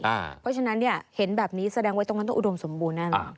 เพราะฉะนั้นเนี่ยเห็นแบบนี้แสดงไว้ตรงนั้นต้องอุดมสมบูรณแน่นอน